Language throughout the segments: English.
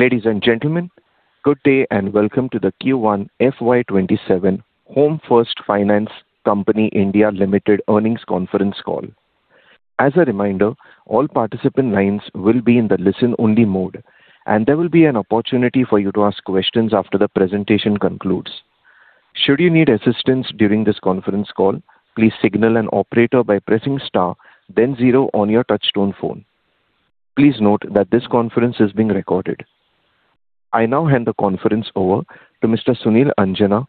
Ladies and gentlemen, good day and welcome to the Q1 FY 2027 Home First Finance Company India Limited earnings conference call. As a reminder, all participant lines will be in the listen-only mode, and there will be an opportunity for you to ask questions after the presentation concludes. Should you need assistance during this conference call, please signal an operator by pressing star then zero on your touch-tone phone. Please note that this conference is being recorded. I now hand the conference over to Mr. Sunil Anjana,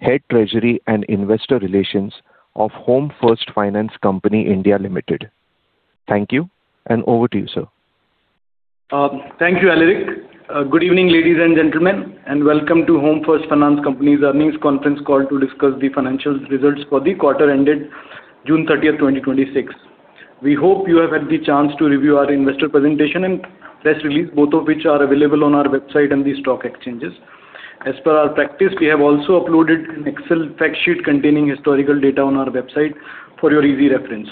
Head Treasury and Investor Relations of Home First Finance Company India Limited. Thank you, and over to you, sir. Thank you, Alaric. Good evening, ladies and gentlemen, and welcome to Home First Finance Company's earnings conference call to discuss the financial results for the quarter ended June 30th, 2026. We hope you have had the chance to review our investor presentation and press release, both of which are available on our website and the stock exchanges. As per our practice, we have also uploaded an Excel fact sheet containing historical data on our website for your easy reference.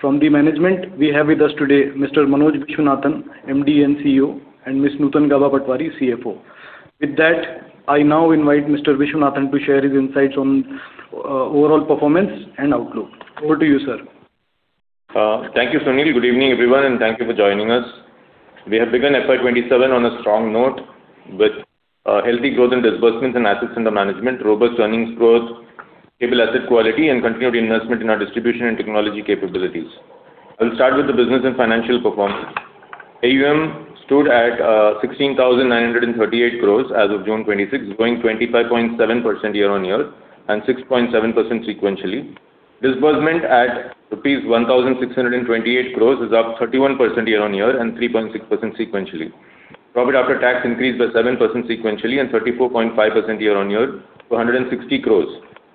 From the management, we have with us today Mr. Manoj Viswanathan, MD & CEO, and Ms. Nutan Gaba Patwari, CFO. I now invite Mr. Viswanathan to share his insights on overall performance and outlook. Over to you, sir. Thank you, Sunil. Good evening, everyone, and thank you for joining us. We have begun FY 2027 on a strong note with healthy growth in disbursements and assets under management, robust earnings growth, stable asset quality, and continued investment in our distribution and technology capabilities. I will start with the business and financial performance. AUM stood at 16,938 crore as of June 26, growing 25.7% year-on-year and 6.7% sequentially. Disbursement at rupees 1,628 crore is up 31% year-on-year and 3.6% sequentially. Profit after tax increased by 7% sequentially and 34.5% year-on-year to 160 crore,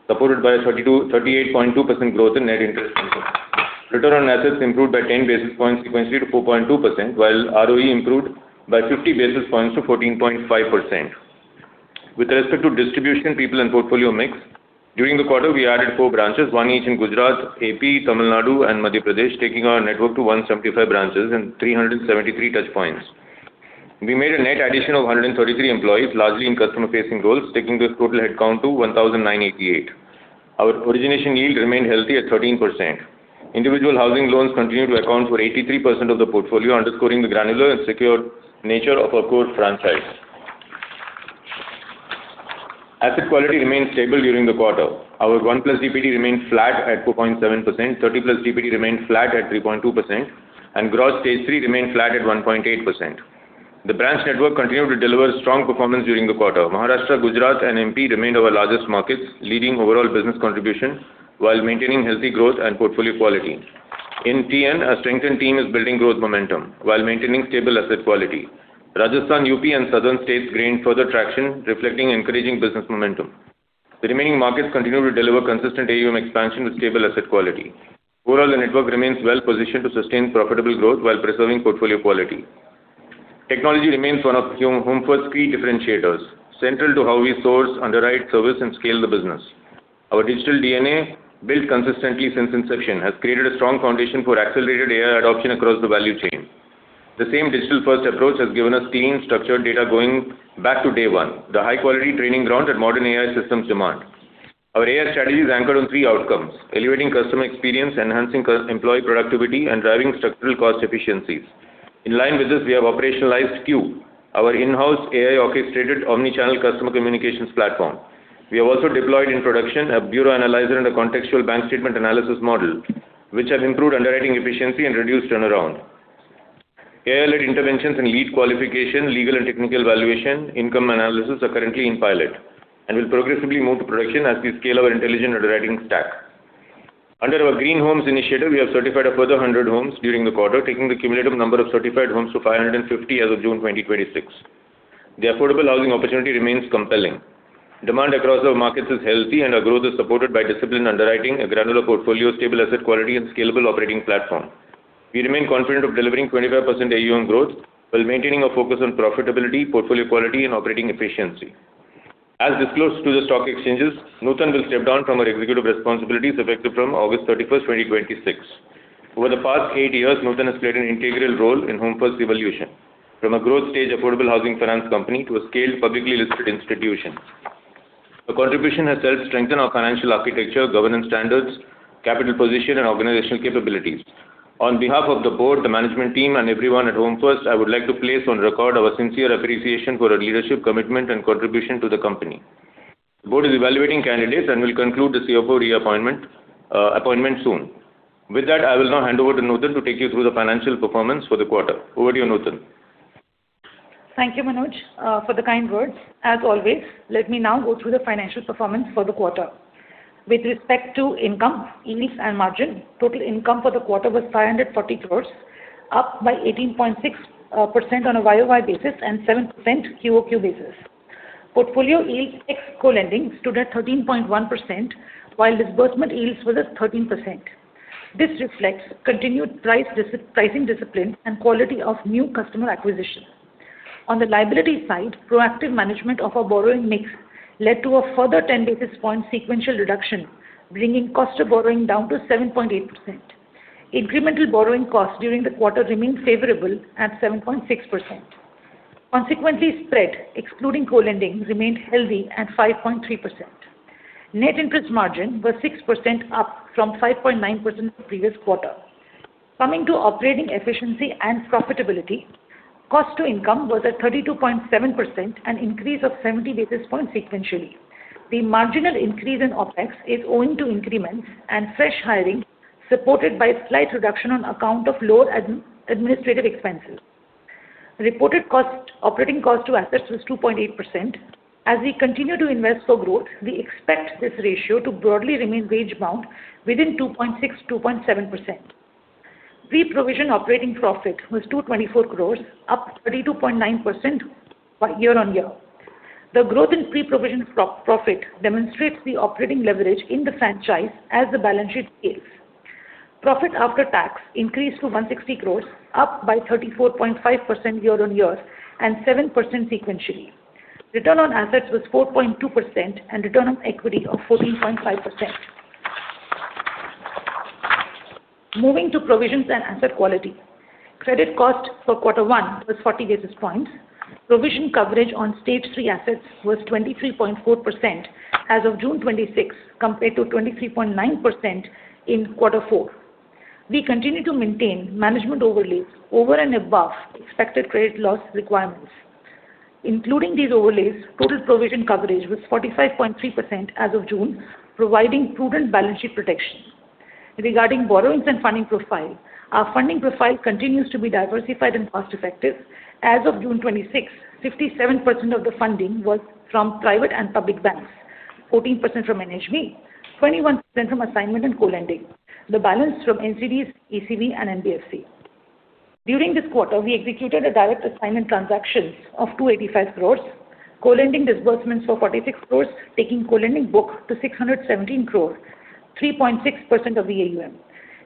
supported by a 38.2% growth in net interest income. Return on assets improved by 10 basis points sequentially to 4.2%, while ROE improved by 50 basis points to 14.5%. With respect to distribution, people, and portfolio mix, during the quarter, we added four branches, one each in Gujarat, A.P., Tamil Nadu, and Madhya Pradesh, taking our network to 175 branches and 373 touchpoints. We made a net addition of 133 employees, largely in customer-facing roles, taking the total headcount to 1,988. Our origination yield remained healthy at 13%. Individual housing loans continued to account for 83% of the portfolio, underscoring the granular and secure nature of our core franchise. Asset quality remained stable during the quarter. Our 1-plus DPD remained flat at 2.7%, 30-plus DPD remained flat at 3.2%, and gross Stage 3 remained flat at 1.8%. The branch network continued to deliver strong performance during the quarter. Maharashtra, Gujarat, and M.P. remained our largest markets, leading overall business contribution while maintaining healthy growth and portfolio quality. In TS, our strengthened team is building growth momentum while maintaining stable asset quality. Rajasthan, UP, and southern states gained further traction, reflecting encouraging business momentum. The remaining markets continue to deliver consistent AUM expansion with stable asset quality. Overall, the network remains well-positioned to sustain profitable growth while preserving portfolio quality. Technology remains one of Home First's key differentiators, central to how we source, underwrite, service, and scale the business. Our digital DNA, built consistently since inception, has created a strong foundation for accelerated AI adoption across the value chain. The same digital-first approach has given us clean, structured data going back to day one, the high-quality training ground that modern AI systems demand. Our AI strategy is anchored on three outcomes: elevating customer experience, enhancing employee productivity, and driving structural cost efficiencies. In line with this, we have operationalized Q, our in-house AI-orchestrated omnichannel customer communications platform. We have also deployed in production a bureau analyzer and a contextual bank statement analysis model, which have improved underwriting efficiency and reduced turnaround. AI-led interventions in lead qualification, legal and technical valuation, income analysis are currently in pilot and will progressively move to production as we scale our intelligent underwriting stack. Under our Green Homes initiative, we have certified a further 100 homes during the quarter, taking the cumulative number of certified homes to 550 as of June 2026. The affordable housing opportunity remains compelling. Demand across our markets is healthy, and our growth is supported by disciplined underwriting, a granular portfolio, stable asset quality, and scalable operating platform. We remain confident of delivering 25% AUM growth while maintaining a focus on profitability, portfolio quality, and operating efficiency. As disclosed to the stock exchanges, Nutan will step down from her executive responsibilities effective from August 31st, 2026. Over the past eight years, Nutan has played an integral role in Home First's evolution from a growth stage affordable housing finance company to a scaled, publicly listed institution. Her contribution has helped strengthen our financial architecture, governance standards, capital position, and organizational capabilities. On behalf of the board, the management team, and everyone at Home First, I would like to place on record our sincere appreciation for her leadership, commitment, and contribution to the company. The board is evaluating candidates and will conclude the CFO reappointment, appointment soon. With that, I will now hand over to Nutan to take you through the financial performance for the quarter. Over to you, Nutan. Thank you, Manoj, for the kind words, as always. Let me now go through the financial performance for the quarter. With respect to income, yields, and margin, total income for the quarter was 540 crore, up by 18.6% on a YoY basis and 7% QOQ basis. Portfolio yields ex co-lending stood at 13.1%, while disbursement yields were at 13%. This reflects continued pricing discipline and quality of new customer acquisition. On the liability side, proactive management of our borrowing mix led to a further 10 basis points sequential reduction, bringing cost of borrowing down to 7.8%. Incremental borrowing costs during the quarter remained favorable at 7.6%. Consequently, spread, excluding co-lending, remained healthy at 5.3%. Net interest margin was 6%, up from 5.9% the previous quarter. Coming to operating efficiency and profitability, cost to income was at 32.7%, an increase of 70 basis points sequentially. The marginal increase in OpEx is owing to increments and fresh hiring, supported by a slight reduction on account of lower administrative expenses. Reported operating cost to assets was 2.8%. As we continue to invest for growth, we expect this ratio to broadly remain wage-bound within 2.6%-2.7%. Pre-provision operating profit was 224 crore, up 32.9% year-on-year. The growth in pre-provision profit demonstrates the operating leverage in the franchise as the balance sheet scales. Profit after tax increased to 160 crore, up by 34.5% year-on-year and 7% sequentially. Return on assets was 4.2% and return on equity of 14.5%. Moving to provisions and asset quality. Credit cost for quarter one was 40 basis points. Provision coverage on Stage 3 assets was 23.4% as of June 26th, compared to 23.9% in quarter four. We continue to maintain management overlays over and above expected credit loss requirements. Including these overlays, total provision coverage was 45.3% as of June, providing prudent balance sheet protection. Regarding borrowings and funding profile, our funding profile continues to be diversified and cost effective. As of June 26th, 57% of the funding was from private and public banks, 14% from NHB, 21% from assignment and co-lending, the balance from NCDs, ECB and NBFC. During this quarter, we executed a direct assignment transaction of 285 crore. Co-lending disbursements were 46 crore, taking co-lending book to 617 crore, 3.6% of the AUM.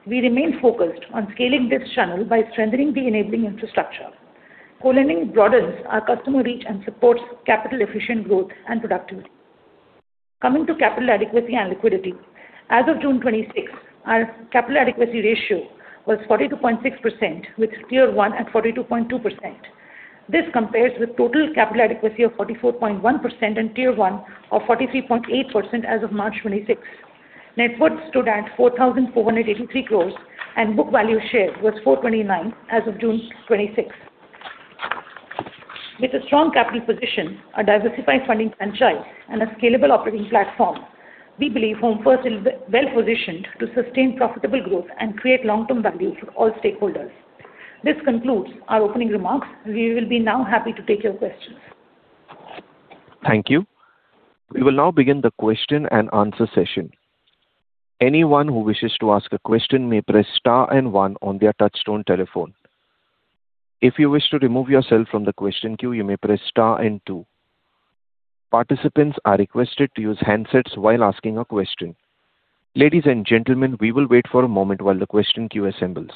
We remain focused on scaling this channel by strengthening the enabling infrastructure. Co-lending broadens our customer reach and supports capital efficient growth and productivity. Coming to capital adequacy and liquidity. As of June 26th, our capital adequacy ratio was 42.6%, with Tier 1 at 42.2%. This compares with total capital adequacy of 44.1% and Tier 1 of 43.8% as of March 26th. Net worth stood at 4,483 crore and book value share was 429 as of June 26th. With a strong capital position, a diversified funding franchise, and a scalable operating platform, we believe Home First is well-positioned to sustain profitable growth and create long-term value for all stakeholders. This concludes our opening remarks. We will be now happy to take your questions. Thank you. We will now begin the question-and-answer session. Anyone who wishes to ask a question may press star and one on their touchtone telephone. If you wish to remove yourself from the question queue, you may press star and two. Participants are requested to use handsets while asking a question. Ladies and gentlemen, we will wait for a moment while the question queue assembles.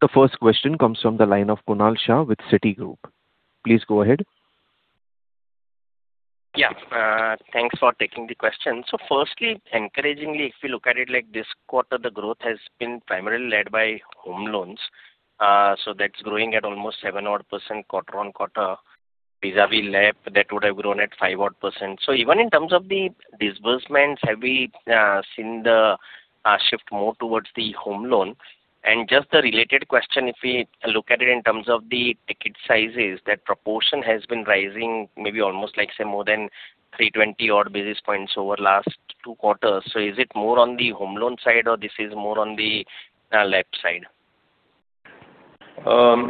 The first question comes from the line of Kunal Shah with Citigroup. Please go ahead. Yeah. Thanks for taking the question. Firstly, encouragingly, if you look at it this quarter, the growth has been primarily led by home loans. That's growing at almost 7% odd quarter-on-quarter vis-à-vis LAP that would have grown at 5% odd. Even in terms of the disbursements, have we seen the shift more towards the home loan? Just a related question, if we look at it in terms of the ticket sizes, that proportion has been rising maybe almost more than 320 odd basis points over last two quarters. Is it more on the home loan side or this is more on the LAP side?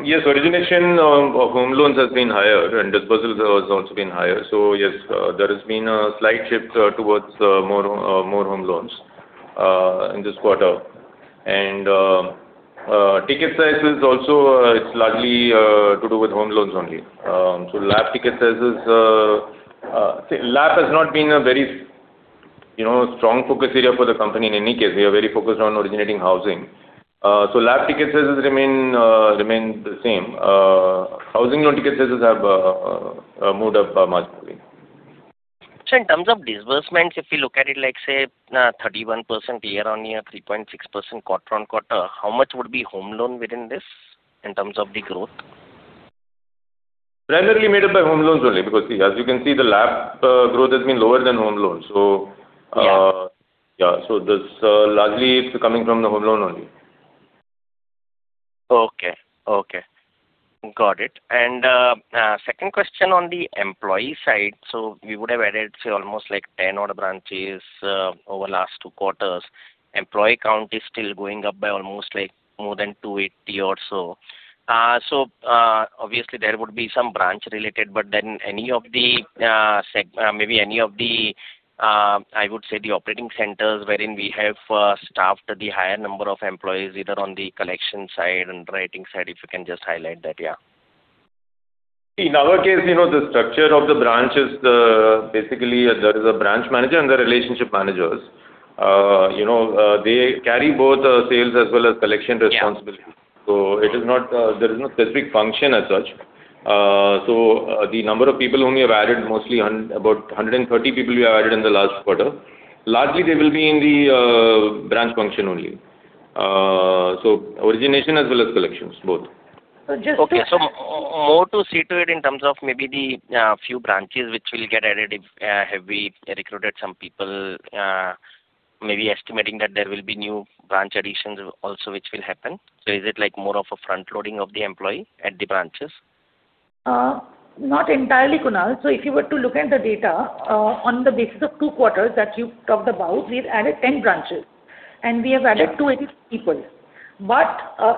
Yes, origination of home loans has been higher and dispersal has also been higher. Yes, there has been a slight shift towards more home loans in this quarter. Ticket size is also largely to do with home loans only. LAP ticket sizes, LAP has not been a very strong focus area for the company in any case. We are very focused on originating housing. LAP ticket sizes remain the same. Housing loan ticket sizes have moved up marginally. Sir, in terms of disbursements, if you look at it 31% year-on-year, 3.6% quarter-on-quarter, how much would be home loan within this in terms of the growth? Primarily made up by home loans only because as you can see, the LAP growth has been lower than home loans. Yeah. This largely is coming from the home loan only. Okay. Got it. Second question on the employee side. You would have added, say, almost 10 odd branches over last two quarters. Employee count is still going up by almost more than 280 or so. Obviously, there would be some branch related, maybe any of the, I would say, the operating centers wherein we have staffed the higher number of employees, either on the collection side and writing side, if you can just highlight that. See, in our case, the structure of the branch is basically there is a branch manager and the relationship managers. They carry both sales as well as collection responsibilities. Yeah. There is no specific function as such The number of people whom we have added mostly about 130 people we have added in the last quarter. Largely, they will be in the branch function only. Origination as well as collections, both. Okay. More to see to it in terms of maybe the few branches which will get added if have we recruited some people, maybe estimating that there will be new branch additions also which will happen. Is it like more of a front-loading of the employee at the branches? Not entirely, Kunal. If you were to look at the data, on the basis of two quarters that you talked about, we've added 10 branches and we have added people.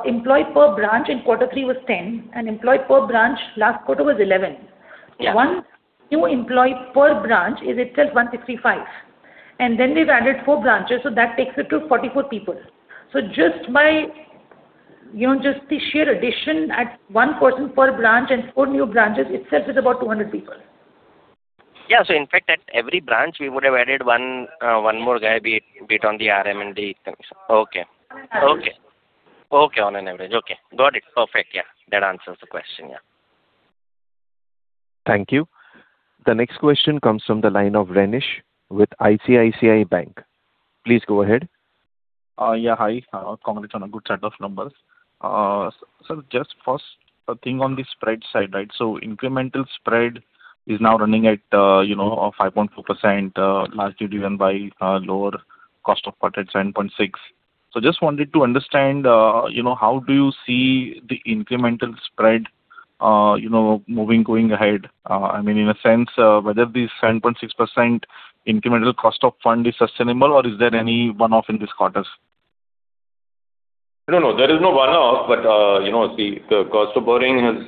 Employee per branch in quarter three was 10 and employee per branch last quarter was 11. Yeah. One new employee per branch is itself 165. Then we've added four branches, so that takes it to 44 people. Just by the sheer addition at one person per branch and four new branches itself is about 200 people. Yeah. In fact, at every branch, we would have added one more guy, be it on the RM and the collections. Okay. On an average. Okay. Got it. Perfect. Yeah. That answers the question, yeah. Thank you. The next question comes from the line of Rinesh with ICICI Bank. Please go ahead. Yeah. Hi. Congrats on a good set of numbers. Just first a thing on the spread side. Incremental spread is now running at 5.2%, largely driven by lower cost of funds at 7.6%. Just wanted to understand how do you see the incremental spread moving going ahead? I mean, in a sense, whether this 7.6% incremental cost of fund is sustainable or is there any one-off in this quarter? No, there is no one-off, the cost of borrowing has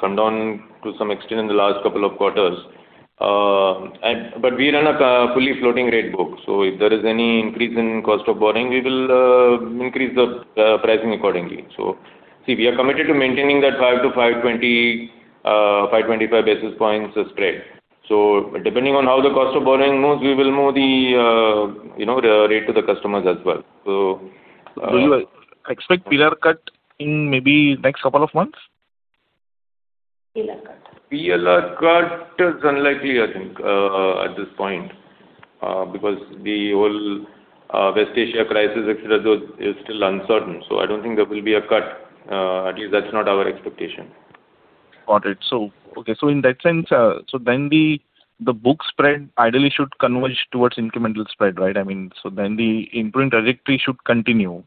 come down to some extent in the last couple of quarters. We run a fully floating rate book, if there is any increase in cost of borrowing, we will increase the pricing accordingly. See, we are committed to maintaining that five to 520, 525 basis points spread. Depending on how the cost of borrowing moves, we will move the rate to the customers as well. Do you expect PLR cut in maybe next couple of months? PLR cut. PLR cut is unlikely, I think, at this point because the whole West Asia crisis, et cetera, is still uncertain. I don't think there will be a cut. At least that's not our expectation. Got it. Okay. In that sense, the book spread ideally should converge towards incremental spread, right? I mean, the imprint trajectory should continue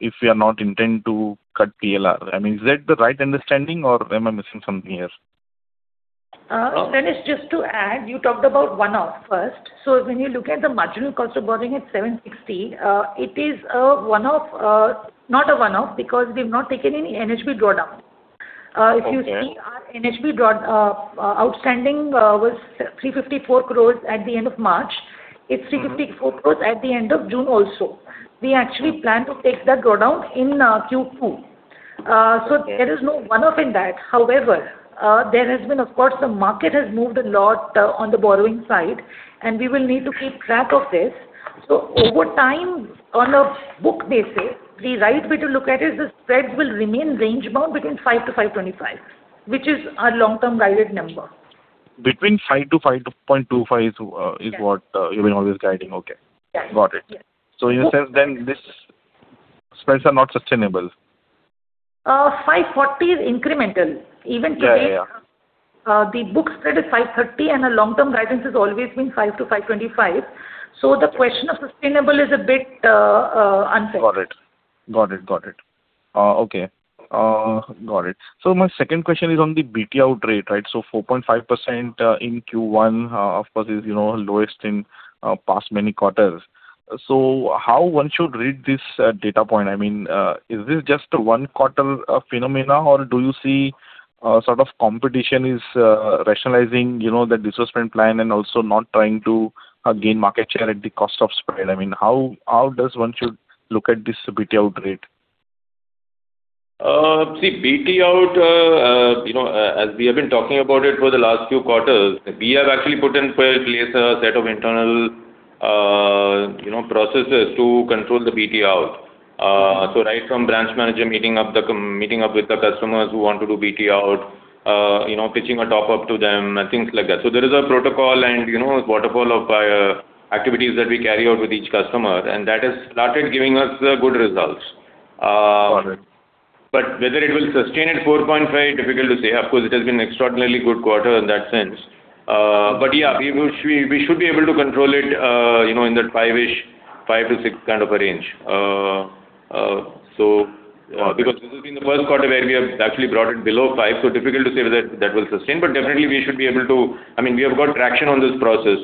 if we are not intend to cut PLR. I mean, is that the right understanding or am I missing something here? Rinesh, just to add, you talked about one-off first. When you look at the marginal cost of borrowing at 760, it is not a one-off because we've not taken any NHB drawdown. Okay. If you see our NHB outstanding was 354 crores at the end of March. It's 354 crores at the end of June also. We actually plan to take that drawdown in Q2. There is no one-off in that. However, there has been, of course, the market has moved a lot on the borrowing side, and we will need to keep track of this. Over time, on a book basis, the right way to look at it is the spreads will remain range-bound between 5% to 5.25%, which is our long-term guided number. Between 5% to 5.25% is what. Yeah You've been always guiding. Okay. Yeah. Got it. Yeah. In a sense, this spreads are not sustainable. 540 is incremental. Even today. Yeah The book spread is 530 and our long-term guidance has always been 5% to 5.25%. The question of sustainable is a bit unfair. Got it. Okay. Got it. My second question is on the BT out rate. 4.5% in Q1, of course, is lowest in past many quarters. How one should read this data point? I mean, is this just a one-quarter phenomenon, or do you see sort of competition is rationalizing the disbursement plan and also not trying to gain market share at the cost of spread? I mean, how does one should look at this BT out rate? See, BT out, as we have been talking about it for the last few quarters, we have actually put in place a set of internal processes to control the BT out. Right from branch manager meeting up with the customers who want to do BT out, pitching a top-up to them, and things like that. There is a protocol and a waterfall of activities that we carry out with each customer, and that has started giving us good results. Got it. Whether it will sustain at 4.5%, difficult to say. Of course, it has been extraordinarily good quarter in that sense. But yeah, we should be able to control it in that five-ish, five-ish kind of a range. Got it. This has been the first quarter where we have actually brought it below five, difficult to say whether that will sustain. Definitely we should be able to I mean, we have got traction on this process,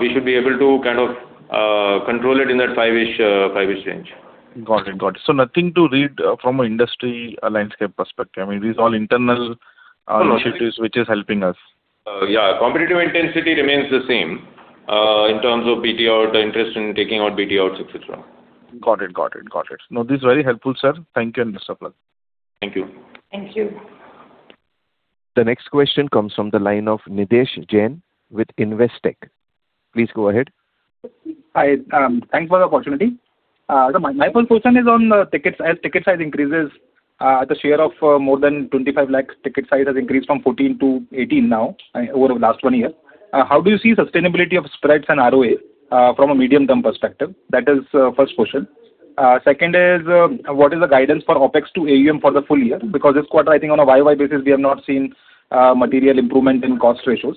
we should be able to kind of control it in that five-ish range. Got it. Nothing to read from an industry landscape perspective. I mean, these all internal- No initiatives which is helping us. Yeah. Competitive intensity remains the same in terms of BT out, interest in taking out BT outs, et cetera. Got it. This is very helpful, sir. Thank you and best of luck. Thank you. Thank you. The next question comes from the line of Nidhesh Jain with Investec. Please go ahead. Hi. Thanks for the opportunity. My first question is on tickets. As ticket size increases, the share of more than 25 lakhs ticket size has increased from 14% to 18% now over the last one year. How do you see sustainability of spreads and ROA from a medium-term perspective? That is first question. Second is, what is the guidance for OpEx to AUM for the full year? Because this quarter, I think on a YOY basis, we have not seen material improvement in cost ratios.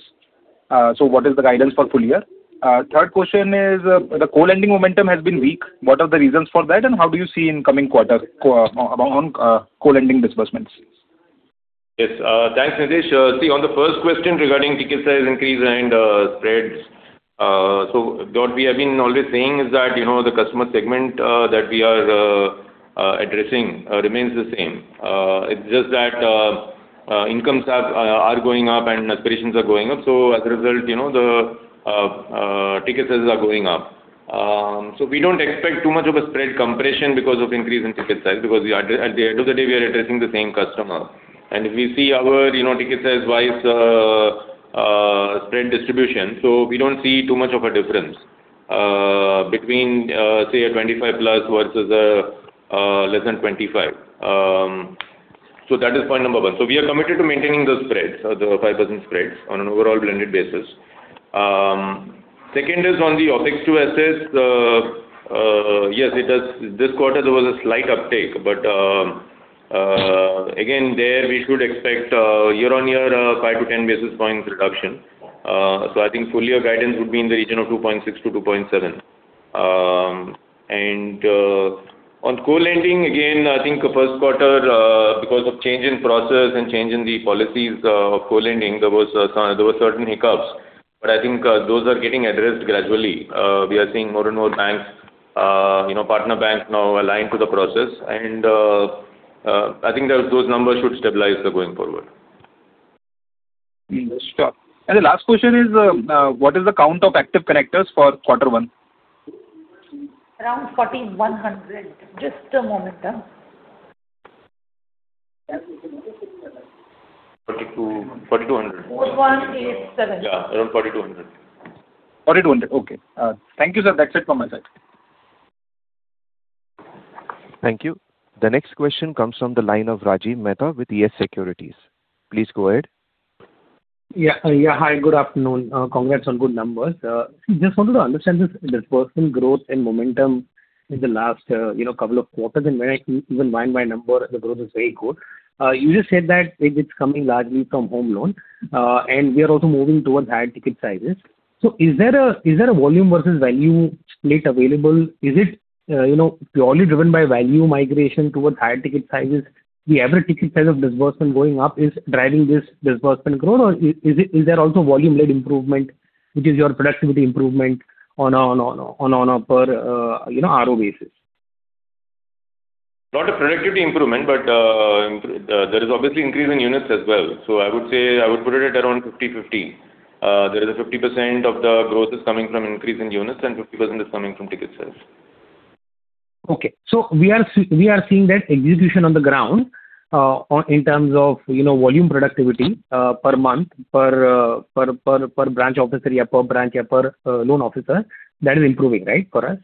What is the guidance for full year? Third question is, the co-lending momentum has been weak. What are the reasons for that, and how do you see in coming quarters on co-lending disbursements? Yes. Thanks, Nidhesh. On the first question regarding ticket size increase and spreads. What we have been always saying is that the customer segment that we are addressing remains the same. It's just that incomes are going up and aspirations are going up. As a result, the ticket sizes are going up. We don't expect too much of a spread compression because of increase in ticket size, because at the end of the day, we are addressing the same customer. If we see our ticket size-wise spread distribution, we don't see too much of a difference between, say, a 25-plus versus a less than 25. That is point number one. We are committed to maintaining the spreads, the 5% spreads on an overall blended basis. Second is on the OpEx to assets. Yes, this quarter there was a slight uptake, but again, there we should expect year-on-year 5 to 10 basis points reduction. I think full year guidance would be in the region of 2.6% to 2.7%. On co-lending, again, I think first quarter because of change in process and change in the policies of co-lending, there were certain hiccups, but I think those are getting addressed gradually. We are seeing more and more banks, partner banks now aligned to the process, and I think those numbers should stabilize going forward. Sure. The last question is, what is the count of active connectors for quarter one? Around 14,100. Just a moment. 4,200. 4,107. Around 4,200. 4,200. Okay. Thank you, sir. That's it from my side. Thank you. The next question comes from the line of Rajiv Mehta with YES SECURITIES. Please go ahead. Yeah. Hi, good afternoon. Congrats on good numbers. Just wanted to understand this disbursement growth and momentum in the last couple of quarters and when I see even YOY number, the growth is very good. You just said that it's coming largely from home loan. We are also moving towards higher ticket sizes. Is there a volume versus value split available? Is it purely driven by value migration towards higher ticket sizes? The average ticket size of disbursement going up is driving this disbursement growth, or is there also volume-led improvement, which is your productivity improvement on a per RO basis? Lot of productivity improvement, there is obviously increase in units as well. I would put it at around 50/50. There is a 50% of the growth is coming from increase in units and 50% is coming from ticket size. Okay. We are seeing that execution on the ground in terms of volume productivity per month, per branch officer or per branch or per loan officer, that is improving, right, for us?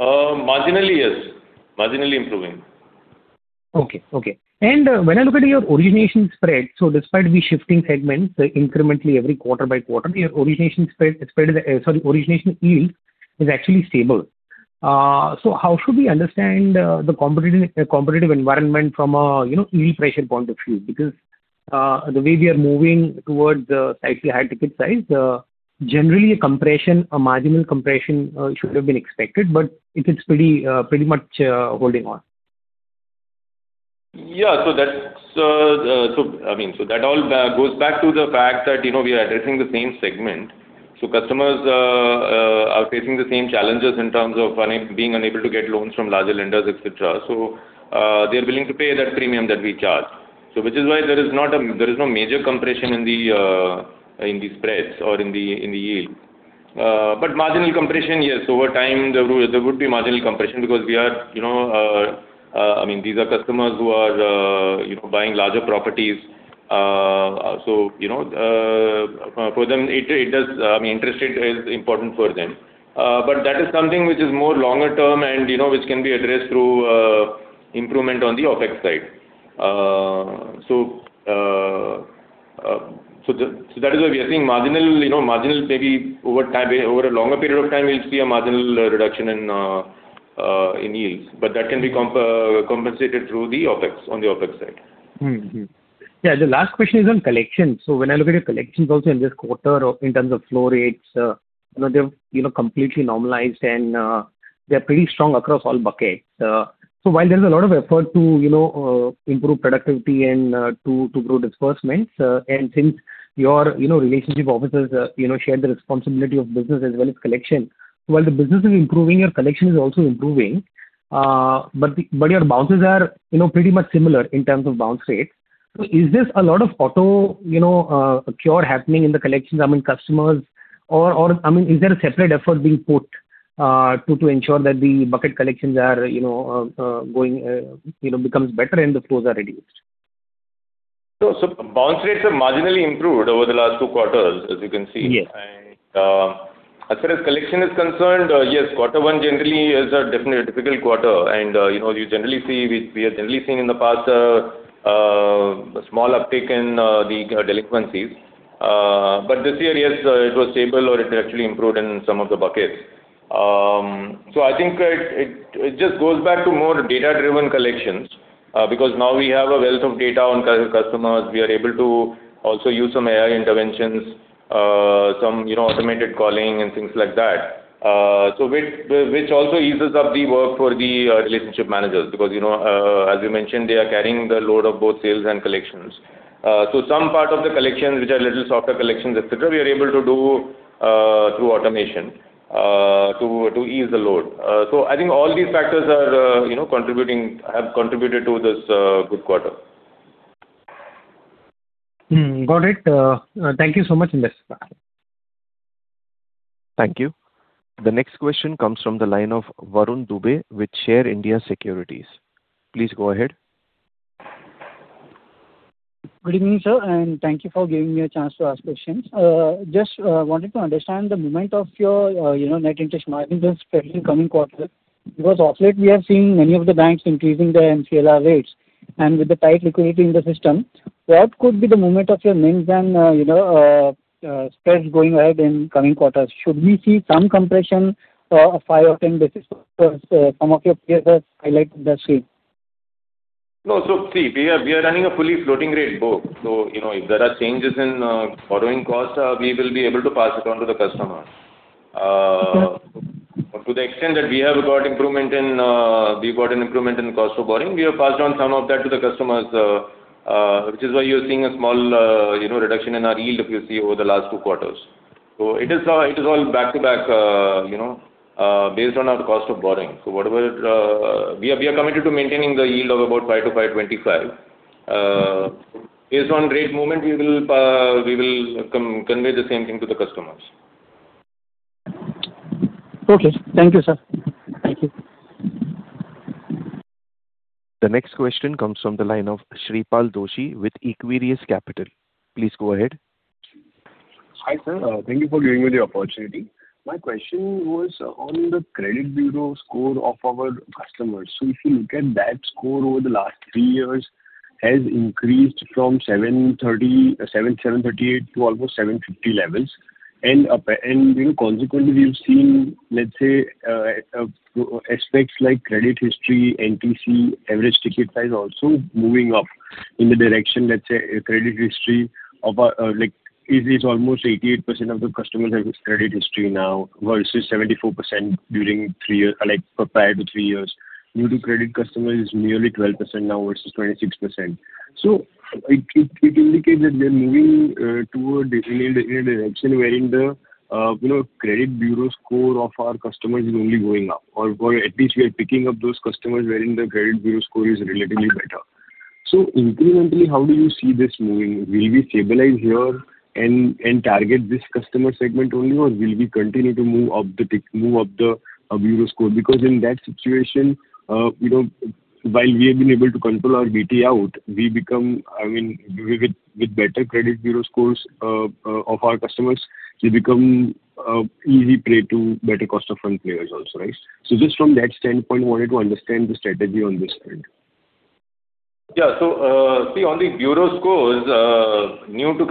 Marginally, yes. Marginally improving. When I look at your origination spread, despite we shifting segments incrementally every quarter by quarter, your origination yield is actually stable. How should we understand the competitive environment from a yield pressure point of view? Because the way we are moving towards slightly higher ticket size, generally a marginal compression should have been expected, but it is pretty much holding on. That all goes back to the fact that we are addressing the same segment. Customers are facing the same challenges in terms of being unable to get loans from larger lenders, et cetera. They're willing to pay that premium that we charge. Which is why there is no major compression in the spreads or in the yield. But marginal compression, yes. Over time, there would be marginal compression because these are customers who are buying larger properties. For them, interest rate is important for them. But that is something which is more longer term and which can be addressed through improvement on the OpEx side. That is why we are seeing marginal, maybe over a longer period of time, we'll see a marginal reduction in yields. But that can be compensated through the OpEx on the OpEx side. The last question is on collections. When I look at your collections also in this quarter in terms of flow rates, they've completely normalized and they're pretty strong across all buckets. While there is a lot of effort to improve productivity and to grow disbursements, and since your relationship officers share the responsibility of business as well as collection. While the business is improving, your collection is also improving. Your bounces are pretty much similar in terms of bounce rates. Is this a lot of auto cure happening in the collections among customers or is there a separate effort being put to ensure that the bucket collections become better and the flows are reduced. Bounce rates have marginally improved over the last two quarters, as you can see. Yes. As far as collection is concerned, yes, quarter one generally is definitely a difficult quarter. We have generally seen in the past a small uptick in the delinquencies. This year, yes, it was stable or it actually improved in some of the buckets. I think it just goes back to more data-driven collections because now we have a wealth of data on customers. We are able to also use some AI interventions, some automated calling and things like that, which also eases up the work for the relationship managers because as you mentioned, they are carrying the load of both sales and collections. Some part of the collections, which are little softer collections, et cetera, we are able to do through automation to ease the load. I think all these factors have contributed to this good quarter. Got it. Thank you so much. Thank you. The next question comes from the line of Varun Dubey with Share India Securities. Please go ahead. Good evening, sir, and thank you for giving me a chance to ask questions. Just wanted to understand the movement of your net interest margin this coming quarter, because of late we have seen many of the banks increasing their MCLR rates and with the tight liquidity in the system, what could be the movement of your NIMs and spreads going ahead in coming quarters? Should we see some compression of five or 10 basis points as some of your peers have highlighted the same? No. See, we are running a fully floating rate book. If there are changes in borrowing costs, we will be able to pass it on to the customer. To the extent that we've got an improvement in cost of borrowing, we have passed on some of that to the customers, which is why you're seeing a small reduction in our yield if you see over the last two quarters. It is all back-to-back based on our cost of borrowing. We are committed to maintaining the yield of about 5% to 5.25%. Based on rate movement, we will convey the same thing to the customers. Okay. Thank you, sir. Thank you. The next question comes from the line of Shreepal Doshi with Equirus Capital. Please go ahead. Hi, sir. Thank you for giving me the opportunity. My question was on the credit bureau score of our customers. If you look at that score over the last three years has increased from 738 to almost 750 levels. Consequently, we've seen, let's say, aspects like credit history, NTC, average ticket size also moving up in the direction, let's say, credit history of like it is almost 88% of the customers have a credit history now versus 74% prior to three years. New-to-credit customer is merely 12% now versus 26%. It indicates that we're moving toward a direction wherein the credit bureau score of our customers is only going up, or at least we are picking up those customers wherein the credit bureau score is relatively better. Incrementally, how do you see this moving? Will we stabilize here and target this customer segment only, or will we continue to move up the bureau score? Because in that situation while we have been able to control our BT out, with better credit bureau scores of our customers, we become easy prey to better cost of fund players also, right? Just from that standpoint, wanted to understand the strategy on this front. Yeah. See on the bureau scores, new to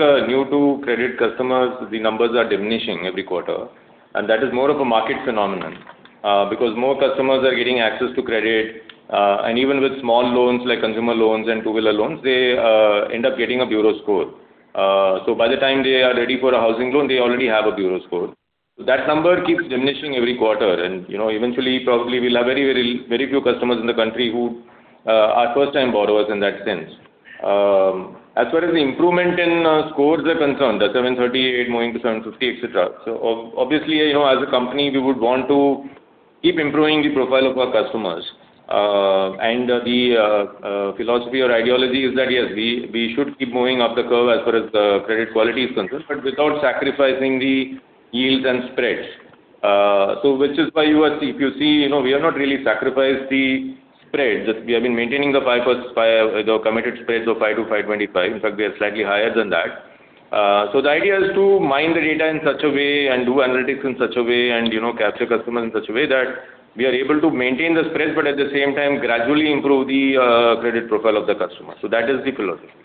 credit customers, the numbers are diminishing every quarter and that is more of a market phenomenon because more customers are getting access to credit and even with small loans like consumer loans and two-wheeler loans, they end up getting a bureau score. By the time they are ready for a housing loan, they already have a bureau score. That number keeps diminishing every quarter and eventually probably we'll have very few customers in the country who are first-time borrowers in that sense. As far as the improvement in scores are concerned, the 738 moving to 750, et cetera. Obviously, as a company, we would want to keep improving the profile of our customers. The philosophy or ideology is that, yes, we should keep moving up the curve as far as the credit quality is concerned, but without sacrificing the yields and spreads. Which is why if you see, we have not really sacrificed the spread. We have been maintaining the committed spreads of 5% to 5.25%. In fact, we are slightly higher than that. The idea is to mine the data in such a way and do analytics in such a way and capture customers in such a way that we are able to maintain the spreads, but at the same time gradually improve the credit profile of the customer. That is the philosophy.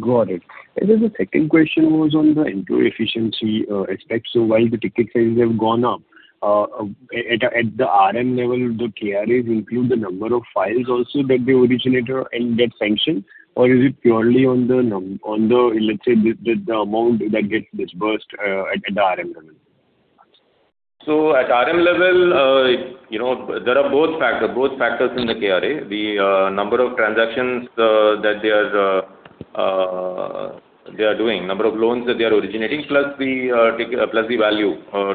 Got it. The second question was on the employee efficiency aspect. While the ticket sizes have gone up, at the RM level, the KRAs include the number of files also that they originated and get sanctioned or is it purely on the, let's say, the amount that gets disbursed at the RM level? At RM level, there are both factors in the KRA. The number of transactions that they are doing, number of loans that they are originating, plus the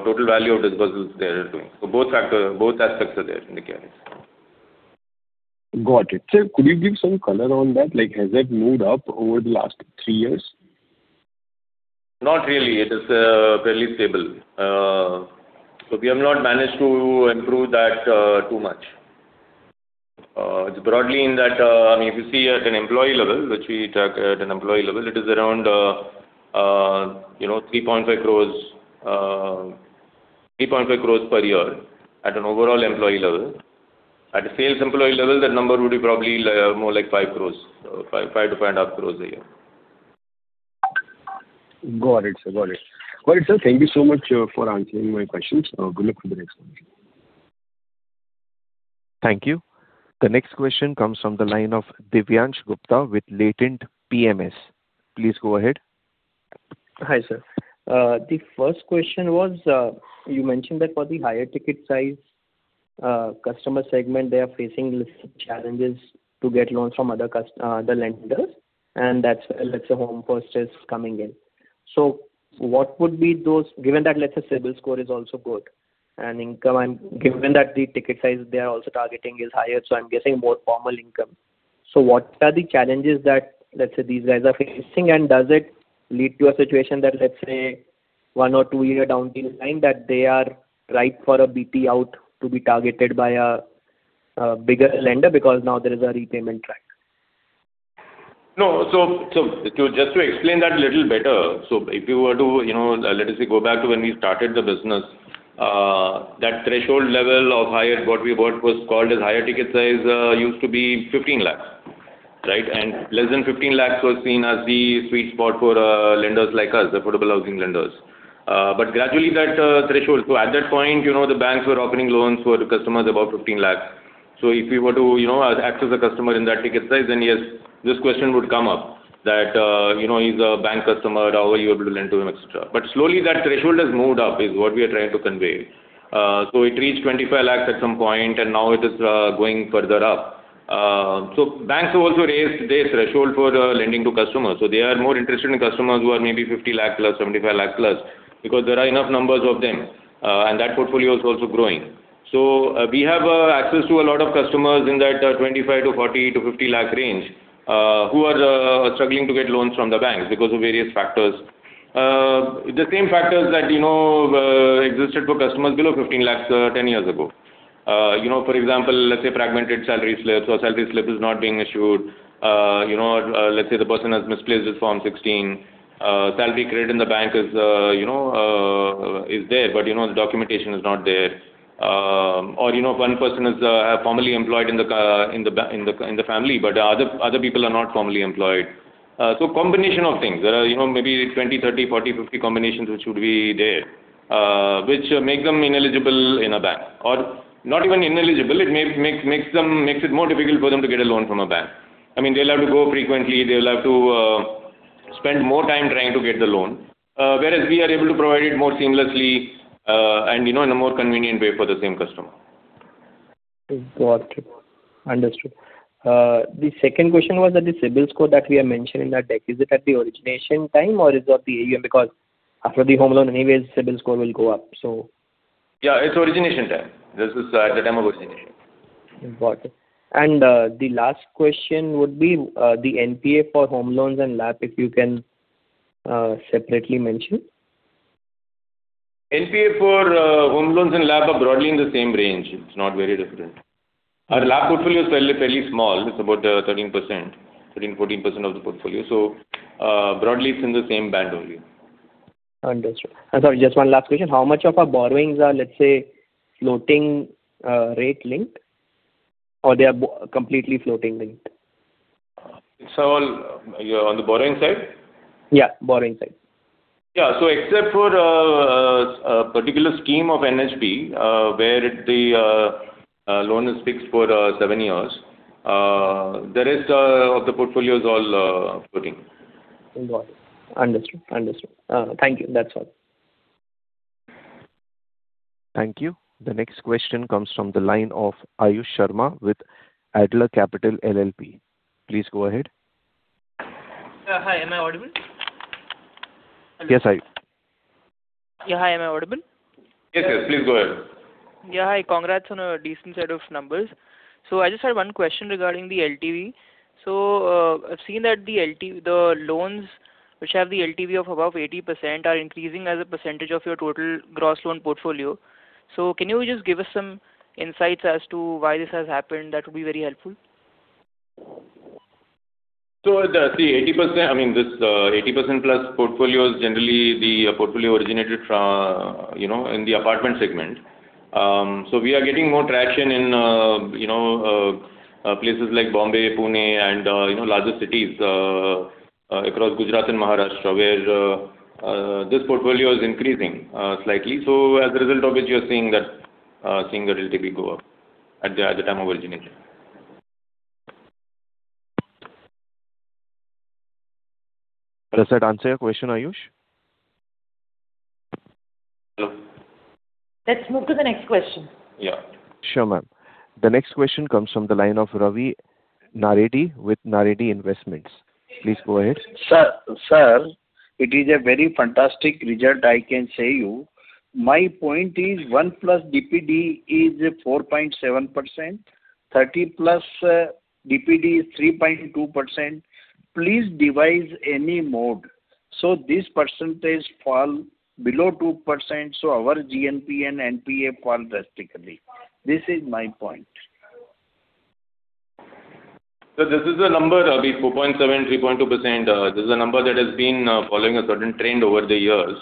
total value of disbursements they are doing. Both aspects are there in the KRAs. Got it. Sir, could you give some color on that? Has that moved up over the last three years? Not really. It is fairly stable. We have not managed to improve that too much. Broadly in that, if you see at an employee level, which we track at an employee level, it is around 3.5 crores per year at an overall employee level. At a sales employee level, that number would be probably more like INR 5 crores-INR 5.5 crores a year. Got it, sir. Thank you so much for answering my questions. Good luck for the next one. Thank you. The next question comes from the line of Divyansh Gupta with Latent Advisors. Please go ahead. Hi, sir. The first question was, you mentioned that for the higher ticket size customer segment, they are facing challenges to get loans from other lenders, and that's where Home First is coming in. What would be those, given that the CIBIL score is also good, and given that the ticket size they are also targeting is higher, so I'm guessing more formal income. What are the challenges that these guys are facing, and does it lead to a situation that, let's say, one or two year down the line that they are ripe for a BT out to be targeted by a bigger lender because now there is a repayment track? No. Just to explain that a little better. If you were to, let us say, go back to when we started the business, that threshold level of what we called as higher ticket size used to be 15 lakhs. Right? Less than 15 lakhs was seen as the sweet spot for lenders like us, affordable housing lenders. Gradually, that threshold. At that point, the banks were offering loans for customers above 15 lakhs. If you were to access a customer in that ticket size, then yes, this question would come up that he's a bank customer, how are you able to lend to him, et cetera. Slowly that threshold has moved up is what we are trying to convey. It reached 25 lakhs at some point, and now it is going further up. Banks have also raised their threshold for lending to customers. They are more interested in customers who are maybe 50 lakh plus, 75 lakh plus because there are enough numbers of them, and that portfolio is also growing. We have access to a lot of customers in that 25 lakh to 40 lakh to 50 lakh range who are struggling to get loans from the banks because of various factors. The same factors that existed for customers below 15 lakh 10 years ago. For example, let's say fragmented salary slips or salary slip is not being issued. Let's say the person has misplaced his Form 16. Salary credit in the bank is there, but the documentation is not there. Or one person is formally employed in the family, but other people are not formally employed. Combination of things. There are maybe 20, 30, 40, 50 combinations which would be there which make them ineligible in a bank. Not even ineligible, it makes it more difficult for them to get a loan from a bank. They'll have to go frequently. They'll have to spend more time trying to get the loan. Whereas we are able to provide it more seamlessly, and in a more convenient way for the same customer. Got it. Understood. The second question was that the CIBIL score that we have mentioned in that deck, is it at the origination time or is it at the AUM because after the home loan anyways, CIBIL score will go up. It's origination time. This is at the time of origination. Got it. The last question would be the NPA for home loans and LAP, if you can separately mention. NPA for home loans and LAP are broadly in the same range. It's not very different. Our LAP portfolio is fairly small. It's about 13%, 14% of the portfolio. Broadly it's in the same band only. Understood. Sorry, just one last question. How much of our borrowings are, let's say, floating rate link? They are completely floating link? On the borrowing side? Yeah, borrowing side. Yeah. Except for a particular scheme of NHB where the loan is fixed for seven years, the rest of the portfolio is all floating. Got it. Understood. Thank you. That's all. Thank you. The next question comes from the line of Ayush Sharma with Adler Capital LLP. Please go ahead. Hi, am I audible? Yes, Ayush. Yeah. Hi, am I audible? Yes, please go ahead. Yeah. Hi. Congrats on a decent set of numbers. I just had one question regarding the LTV. I've seen that the loans which have the LTV of above 80% are increasing as a percentage of your total gross loan portfolio. Can you just give us some insights as to why this has happened? That would be very helpful. This 80% plus portfolio is generally the portfolio originated in the apartment segment. We are getting more traction in places like Bombay, Pune, and larger cities across Gujarat and Maharashtra where this portfolio is increasing slightly. As a result of which you're seeing the LTV go up at the time of origination. Does that answer your question, Ayush? Let's move to the next question. Yeah. Sure, ma'am. The next question comes from the line of Ravi Naredi with Naredi Investments. Please go ahead. Sir, it is a very fantastic result, I can say you. My point is 1+ DPD is 4.7%, 30+ DPD is 3.2%. Please devise any mode so this percentage fall below 2% so our GNPA and NPA fall drastically. This is my point. Sir, this is a number, the 4.7%, 3.2%, this is a number that has been following a certain trend over the years.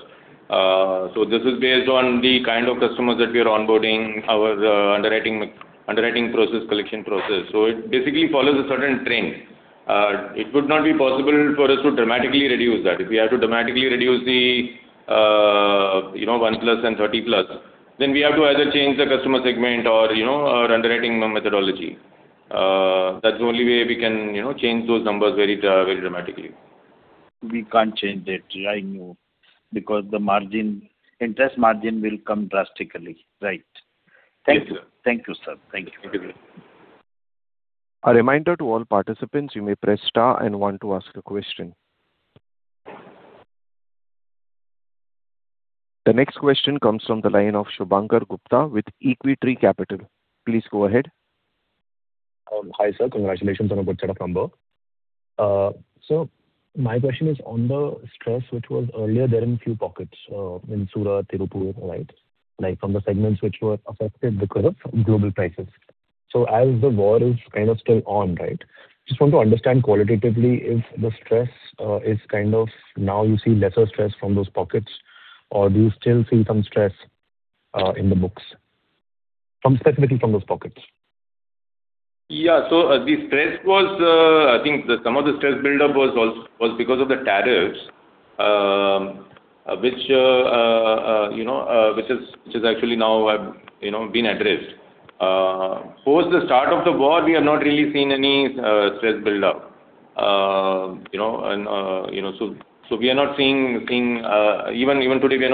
This is based on the kind of customers that we are onboarding, our underwriting process, collection process. It basically follows a certain trend. It would not be possible for us to dramatically reduce that. If we are to dramatically reduce the 1+ and 30+, then we have to either change the customer segment or our underwriting methodology. That's the only way we can change those numbers very dramatically. We can't change that, I know, because the interest margin will come drastically, right? Yes, sir. Thank you, sir. Thank you. Thank you. A reminder to all participants, you may press star and one to ask a question. The next question comes from the line of Shubhankar Gupta with Equitree Capital. Please go ahead. Hi, sir. Congratulations on a good set of numbers. Sir, my question is on the stress, which was earlier there in few pockets, in Surat, Tirupur. From the segments which were affected because of global crisis. As the war is kind of still on, just want to understand qualitatively if the stress is kind of now you see lesser stress from those pockets or do you still see some stress in the books specifically from those pockets? Yeah. I think some of the stress buildup was because of the tariffs which has actually now been addressed. Post the start of the war, we have not really seen any stress buildup. Even today, we are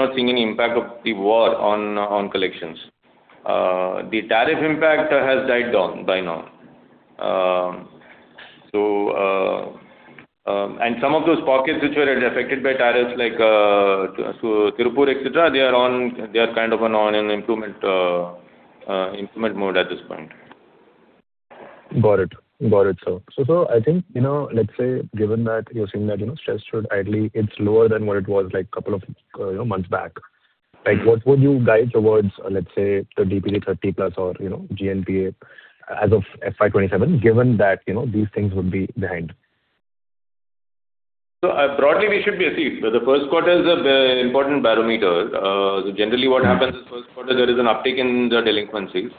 not seeing any impact of the war on collections. The tariff impact has died down by now. Some of those pockets which were affected by tariffs like Tirupur, et cetera, they are kind of on an improvement mode at this point. Got it, sir. I think, let's say, given that you're seeing that stress should ideally, it's lower than what it was couple of months back. What would you guide towards, let's say, the DPD 30+ or GNPA as of FY 2027, given that these things would be behind? Broadly, we should be uptick. The first quarter is an important barometer. Generally, what happens is first quarter there is an uptick in the delinquencies,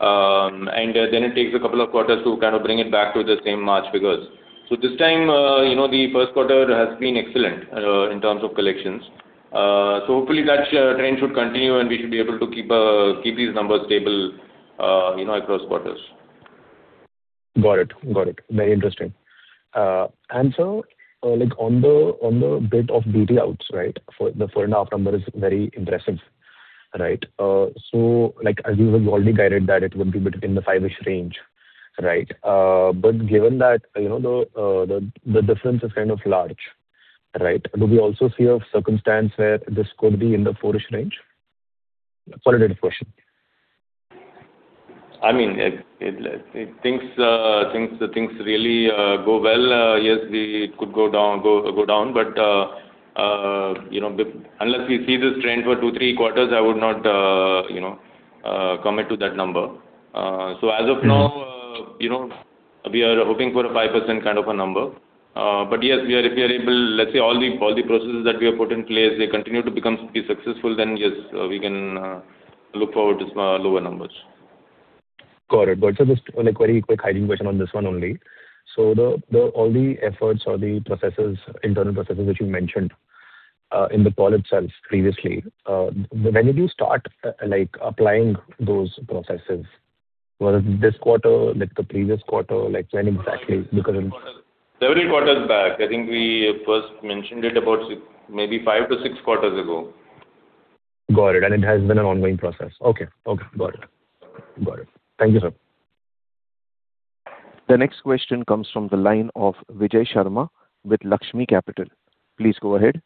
and then it takes a couple of quarters to kind of bring it back to the same March figures. This time, the first quarter has been excellent in terms of collections. Hopefully that trend should continue and we should be able to keep these numbers stable across quarters. Got it. Very interesting. Sir, on the bit of BT outs, the four and a half number is very impressive. As you have already guided that it would be between the five-ish range. Given that the difference is kind of large, do we also see a circumstance where this could be in the four-ish range? Qualitative question. If things really go well, yes, it could go down. Unless we see this trend for two, three quarters, I would not commit to that number. As of now, we are hoping for a 5% kind of a number. Yes, if we are able, let's say all the processes that we have put in place, they continue to be successful, then yes, we can look forward to lower numbers. Got it. Sir, just a very quick hygiene question on this one only. All the efforts or the internal processes that you mentioned in the call itself previously, when did you start applying those processes? Was it this quarter, the previous quarter? When exactly? Several quarters back. I think we first mentioned it about maybe five to six quarters ago. Got it. It has been an ongoing process. Okay. Got it. Thank you, sir. The next question comes from the line of Vijay Sharma with Laxmi Capital. Please go ahead.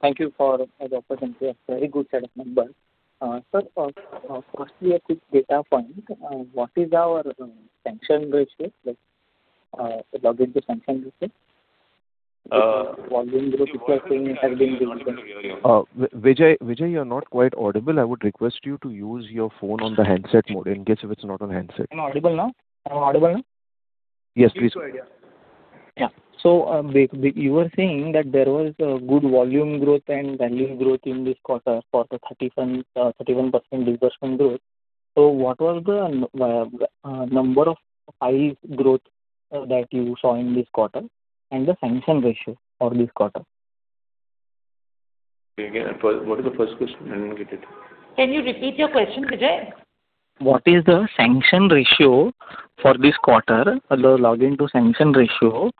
Thank you for the opportunity. A very good set of numbers. Sir, firstly, a quick data point. What is our sanction ratio? Like login to sanction ratio? Volume growth you are saying has been good- Vijay, you are not quite audible. I would request you to use your phone on the handset mode in case if it is not on handset. I'm audible now? Am I audible now? Yes, please. You were saying that there was good volume growth and value growth in this quarter for the 31% disbursement growth. What was the number of files growth that you saw in this quarter and the sanction ratio for this quarter? What is the first question? I didn't get it. Can you repeat your question, Vijay? What is the sanction ratio for this quarter? The login to sanction ratio.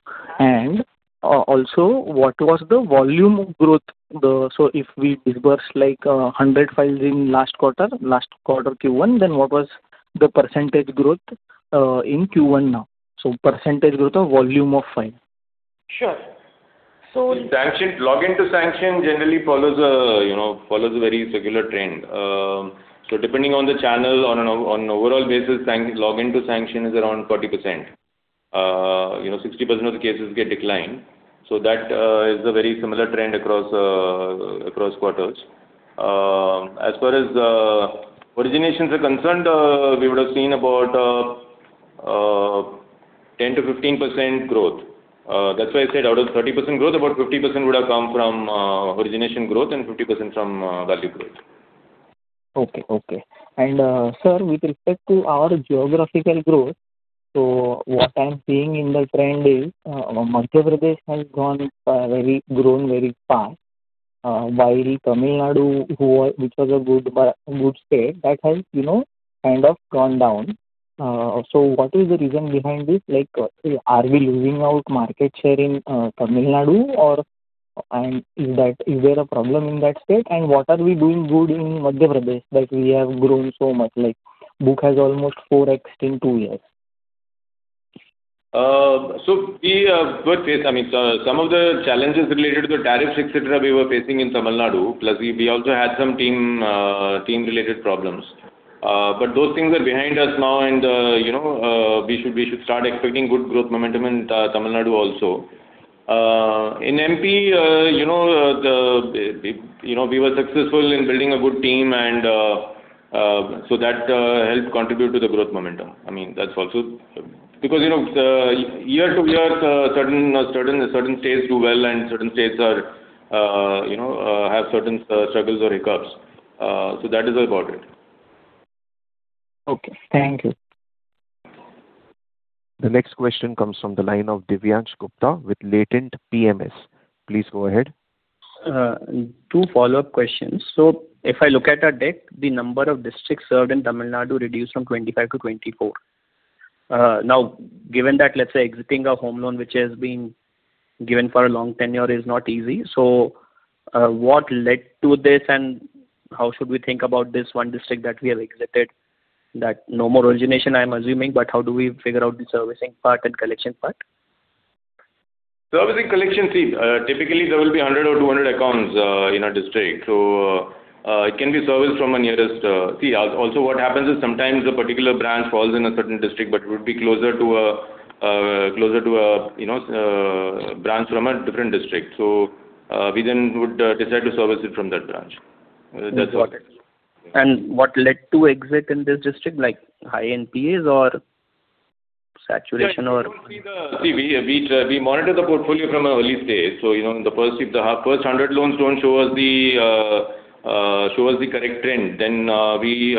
Also, what was the volume of growth? If we disbursed like 100 files in last quarter, last quarter Q1, then what was the percentage growth in Q1 now? So, percentage growth of volume of file. Sure. Sanction, login to sanction generally follows a very circular trend. Depending on the channel on an overall basis, login to sanction is around 40%. 60% of the cases get declined. That is a very similar trend across quarters. As far as originations are concerned, we would have seen about 10%-15% growth. That's why I said out of 30% growth, about 50% would have come from origination growth and 50% from value growth. Okay. Sir, with respect to our geographical growth, what I'm seeing in the trend is Madhya Pradesh has grown very fast, while Tamil Nadu, which was a good state that has kind of gone down. What is the reason behind this? Are we losing out market share in Tamil Nadu or is there a problem in that state? What are we doing good in Madhya Pradesh that we have grown so much, like book has almost 4x in two years? Some of the challenges related to the tariffs, et cetera, we were facing in Tamil Nadu, plus we also had some team-related problems. Those things are behind us now and we should start expecting good growth momentum in Tamil Nadu also. In MP, we were successful in building a good team that helped contribute to the growth momentum. Year to year, certain states do well and certain states have certain struggles or hiccups. That is about it. Okay. Thank you. The next question comes from the line of Divyansh Gupta with Latent Advisors. Please go ahead. Two follow-up questions. If I look at our deck, the number of districts served in Tamil Nadu reduced from 25 to 24. Given that, let's say, exiting a home loan, which has been given for a long tenure is not easy, so what led to this and how should we think about this one district that we have exited? That no more origination, I'm assuming, but how do we figure out the servicing part and collection part? Servicing collection typically there will be 100 or 200 accounts in a district. It can be serviced from a nearest. Also, what happens is sometimes a particular branch falls in a certain district, but it would be closer to a branch from a different district. We then would decide to service it from that branch. That's all. Got it. What led to exit in this district, like high NPAs or saturation? See, we monitor the portfolio from an early stage. If the first 100 loans don't show us the correct trend, then we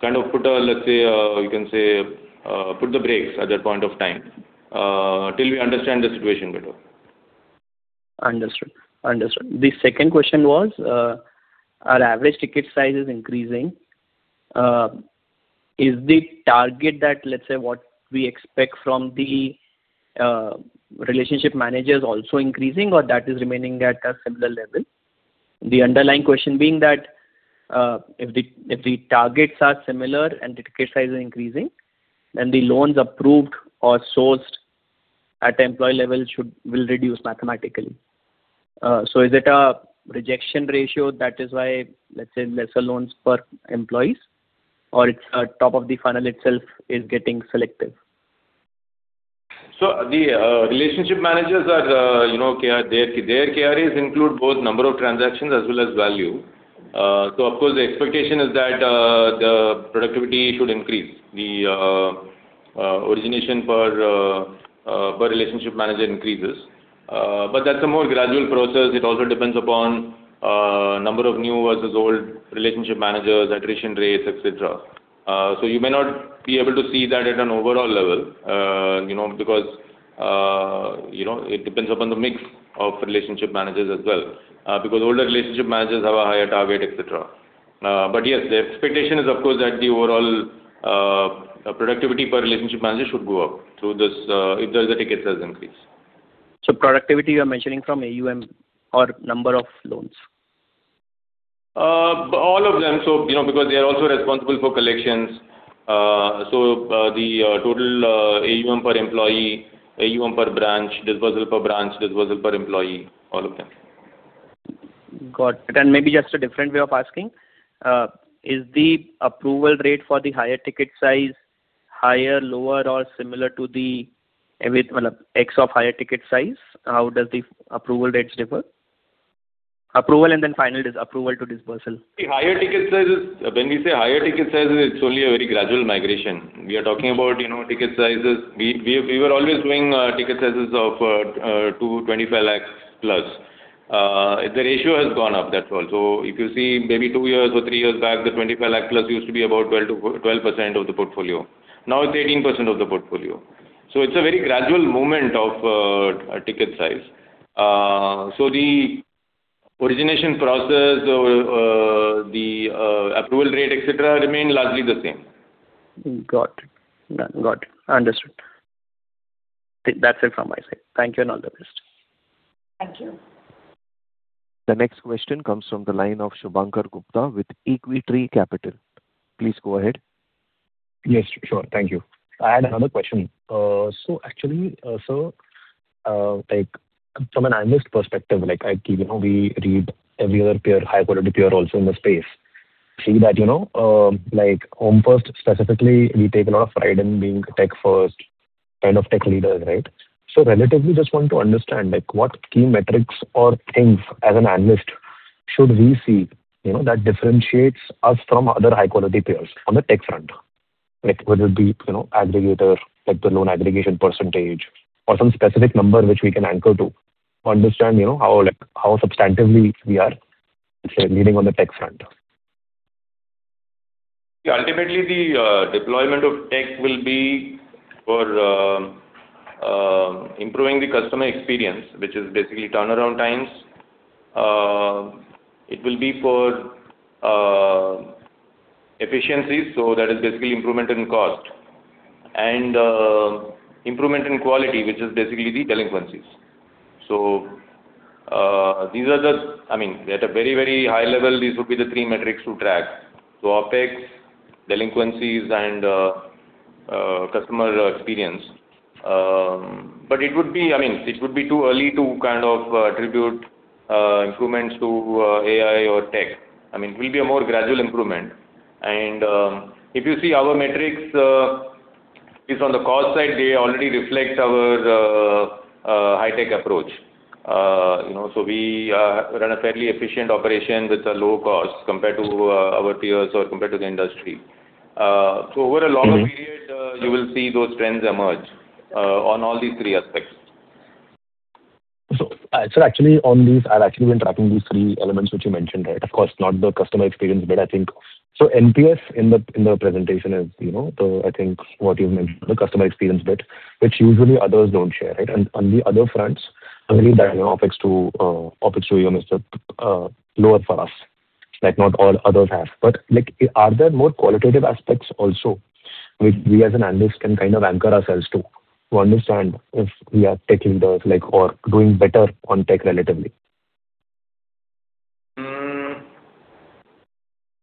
kind of put the brakes at that point of time, till we understand the situation better. Understood. The second question was, our average ticket size is increasing. Is the target that, let's say, what we expect from the relationship managers also increasing, or that is remaining at a similar level? The underlying question being that, if the targets are similar and ticket size is increasing, then the loans approved or sourced at employee level will reduce mathematically. Is it a rejection ratio that is why, let's say, lesser loans per employees, or it's top of the funnel itself is getting selective? The relationship managers, their KRAs include both number of transactions as well as value. Of course, the expectation is that the productivity should increase, the origination per relationship manager increases. That's a more gradual process. It also depends upon number of new versus old relationship managers, attrition rates, et cetera. You may not be able to see that at an overall level, because it depends upon the mix of relationship managers as well. Because older relationship managers have a higher target, et cetera. Yes, the expectation is, of course, that the overall productivity per relationship manager should go up if the ticket size increase. Productivity you are mentioning from AUM or number of loans? All of them, because they are also responsible for collections. The total AUM per employee, AUM per branch, dispersal per branch, dispersal per employee, all of them. Got it. Maybe just a different way of asking. Is the approval rate for the higher ticket size higher, lower, or similar to the ex of higher ticket size? How does the approval rates differ? Approval and then final approval to dispersal. When we say higher ticket sizes, it's only a very gradual migration. We are talking about ticket sizes. We were always doing ticket sizes of 2 lakhs to 25 lakhs plus. The ratio has gone up, that's all. If you see maybe two years or three years back, the 25 lakh plus used to be about 12% of the portfolio. Now it's 18% of the portfolio. It's a very gradual movement of ticket size. The origination process or the approval rate, et cetera, remain largely the same. Got it. Understood. That's it from my side. Thank you, and all the best. Thank you. The next question comes from the line of Shubhankar Gupta with Equitree Capital. Please go ahead. Yes, sure. Thank you. I had another question. Actually, sir, from an analyst perspective, we read every other high-quality peer also in the space. See that Home First specifically, we take a lot of pride in being tech first kind of tech leaders, right? Relatively, just want to understand, what key metrics or things as an analyst should we see that differentiates us from other high-quality peers on the tech front? Whether it be aggregator, like the loan aggregation percentage or some specific number which we can anchor to understand how substantively we are leading on the tech front. Ultimately, the deployment of tech will be for improving the customer experience, which is basically turnaround times. It will be for efficiency, that is basically improvement in cost and improvement in quality, which is basically the delinquencies. At a very high level, these would be the three metrics to track. OpEx, delinquencies, and customer experience. It would be too early to attribute improvements to AI or tech. It will be a more gradual improvement. If you see our metrics, at least on the cost side, they already reflect our high-tech approach. We run a fairly efficient operation with a low cost compared to our peers or compared to the industry. Over a longer period, you will see those trends emerge on all these three aspects. Sir, I've actually been tracking these three elements which you mentioned. Of course, not the customer experience bit, I think. NPS in the presentation is, I think what you mentioned, the customer experience bit, which usually others don't share. On the other fronts, I believe that OpEx to AUM is lower for us, like not all others have. Are there more qualitative aspects also which we as an analyst can anchor ourselves to understand if we are tech leaders or doing better on tech relatively?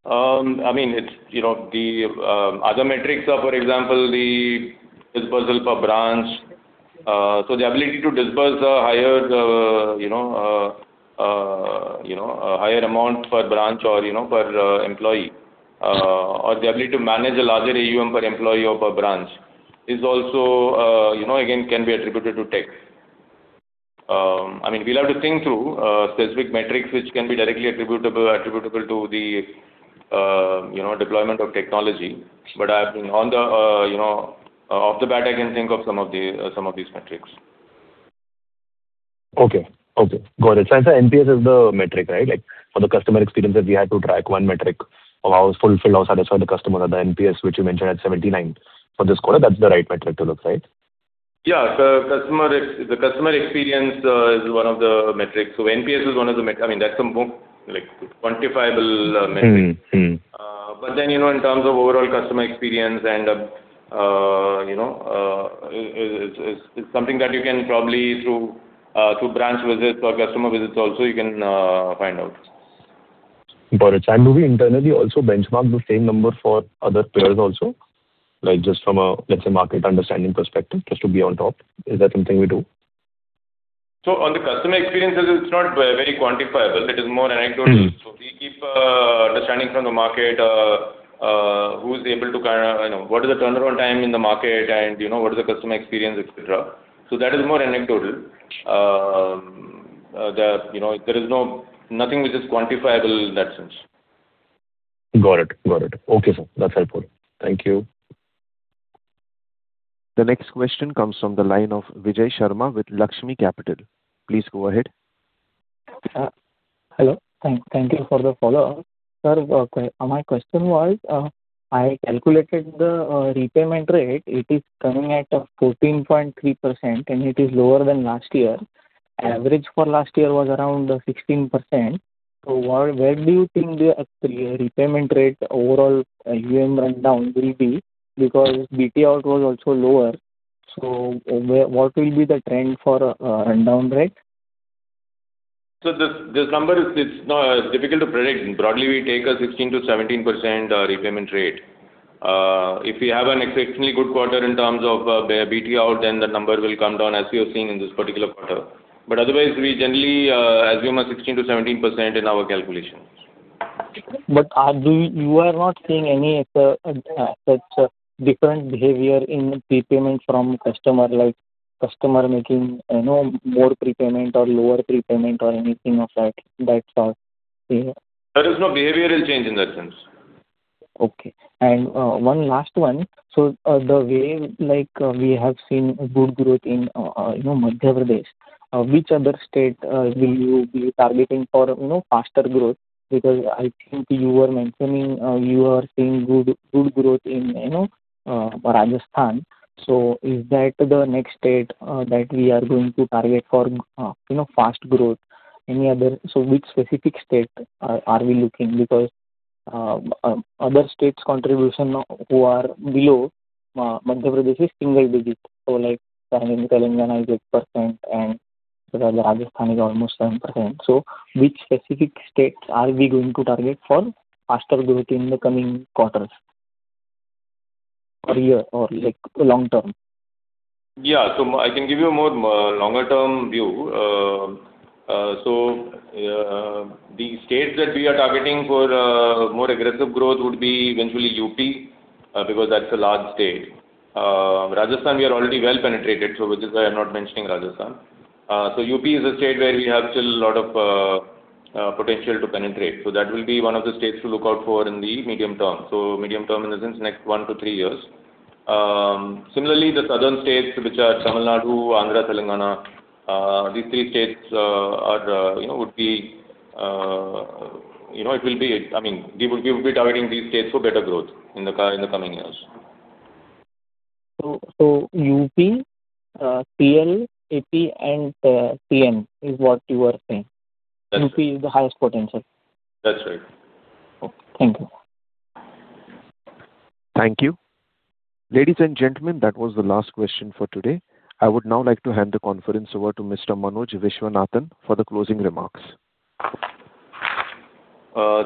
I mean, the other metrics are, for example, the dispersal per branch. The ability to disburse a higher amount per branch or per employee, or the ability to manage a larger AUM per employee or per branch again can be attributed to tech. I mean, we'll have to think through specific metrics which can be directly attributable to the deployment of technology. Off the bat, I can think of some of these metrics. Okay. Got it. I say NPS is the metric, right? For the customer experiences, we have to track one metric of how fulfilled or satisfied the customer are. The NPS, which you mentioned at 79 for this quarter, that's the right metric to look, right? Yeah. The customer experience is one of the metrics. NPS is one of the metric. I mean, that's the more quantifiable metric. In terms of overall customer experience and it's something that you can probably through branch visits or customer visits also, you can find out. Got it. Do we internally also benchmark the same number for other players also? Just from a, let's say, market understanding perspective, just to be on top. Is that something we do? On the customer experiences, it's not very quantifiable. It is more anecdotal. We keep understanding from the market what is the turnaround time in the market, and what is the customer experience, et cetera. That is more anecdotal. There is nothing which is quantifiable in that sense. Got it. Okay, sir. That's helpful. Thank you. The next question comes from the line of Vijay Sharma with Laxmi Capital. Please go ahead. Hello. Thank you for the follow-up. Sir, my question was, I calculated the repayment rate. It is coming at 14.3%, and it is lower than last year. Average for last year was around 16%. Where do you think the actual repayment rate overall AUM rundown will be? BT out was also lower, what will be the trend for rundown rate? This number is difficult to predict. Broadly, we take a 16%-17% repayment rate. If we have an exceptionally good quarter in terms of BT out, the number will come down as you're seeing in this particular quarter. Otherwise, we generally assume a 16%-17% in our calculations. You are not seeing any such different behavior in prepayment from customer, like customer making more prepayment or lower prepayment or anything of that sort? There is no behavioral change in that sense. Okay. One last one. The way we have seen good growth in Madhya Pradesh, which other state will you be targeting for faster growth? I think you were mentioning you are seeing good growth in Rajasthan. Is that the next state that we are going to target for fast growth? Which specific state are we looking? Other states' contribution who are below Madhya Pradesh is single digit. Like Telangana is 1% and Rajasthan is almost 10%. Which specific states are we going to target for faster growth in the coming quarters or year, or long term? Yeah. I can give you a more longer term view. The states that we are targeting for more aggressive growth would be eventually UP, because that's a large state. Rajasthan, we are already well-penetrated, which is why I'm not mentioning Rajasthan. UP is a state where we have still a lot of potential to penetrate. That will be one of the states to look out for in the medium term. Medium term, as in next one to three years. Similarly, the southern states, which are Tamil Nadu, Andhra, Telangana, these three states, we would be targeting these states for better growth in the coming years. UP, TS, AP, and TN is what you are saying? That's it. UP is the highest potential. That's right. Okay. Thank you. Thank you. Ladies and gentlemen, that was the last question for today. I would now like to hand the conference over to Mr. Manoj Viswanathan for the closing remarks.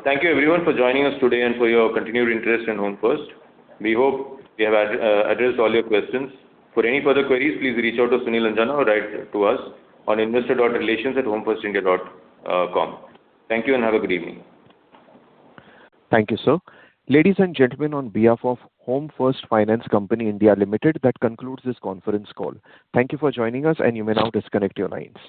Thank you everyone for joining us today and for your continued interest in Home First. We hope we have addressed all your questions. For any further queries, please reach out to Sunil Anjana or write to us on investor.relations@homefirstindia.com. Thank you and have a good evening. Thank you, sir. Ladies and gentlemen, on behalf of Home First Finance Company India Limited, that concludes this conference call. Thank you for joining us and you may now disconnect your lines.